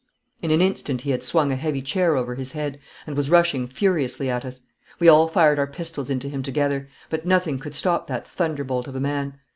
In an instant he had swung a heavy chair over his head, and was rushing furiously at us. We all fired our pistols into him together, but nothing could stop that thunderbolt of a man.